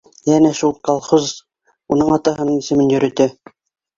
Йәнә шул, колхоз уның атаһының исемен йөрөтә